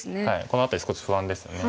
この辺り少し不安ですよね。